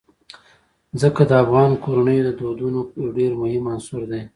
ځمکه د افغان کورنیو د دودونو یو ډېر مهم عنصر دی.